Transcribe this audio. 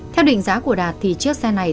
theo định giá của đạt thì chiếc xe này